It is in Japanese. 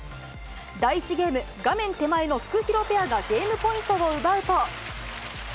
第１ゲーム、画面手前のフクヒロペアがゲームポイントを奪うと。